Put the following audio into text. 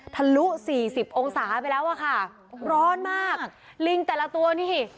ทะลุสี่สิบองศาไปแล้วอะค่ะร้อนมากลิงแต่ละตัวนี่สิ